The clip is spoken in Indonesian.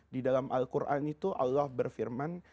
di dalam al quran itu allah berfirman